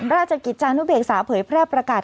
ราชกิจจานุเบกษาเผยแพร่ประกาศ